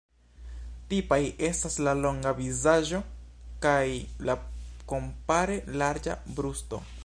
Tipaj estas la longa vizaĝo kaj la kompare larĝa brusto.